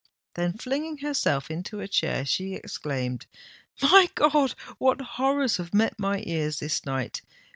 Then flinging herself into a chair, she exclaimed, "My God! what horrors have met my ears this night!